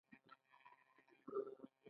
په تیاره کې د کوترو چوک شاوخوا ودانۍ.